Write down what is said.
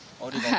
oh di bantung